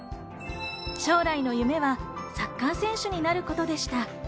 将来の夢はサッカー選手になることでした。